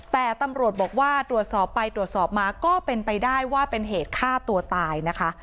แต่ตำรวจบอกว่าตรวจสอบไปตรวจสอบมาก็เป็นไปได้ว่าเป็นเหตุฆ่าตัวตายนะคะ